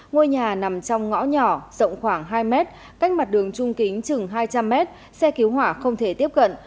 ngôi nhà nằm trong ngõ nhỏ rộng khoảng hai mét cách mặt đường trung kính chừng hai trăm linh m xe cứu hỏa không thể tiếp cận